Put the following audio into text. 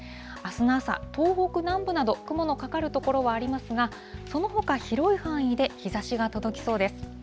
あすの朝、東北南部など、雲のかかる所はありますが、そのほか、広い範囲で日ざしが届きそうです。